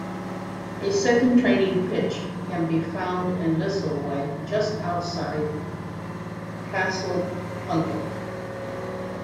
A second training pitch can be found in Lisalway just outside Castleplunket.